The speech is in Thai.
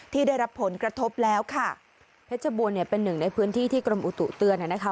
ที่ได้รับผลกระทบแล้วค่ะเพชรบูรณเนี่ยเป็นหนึ่งในพื้นที่ที่กรมอุตุเตือนนะคะ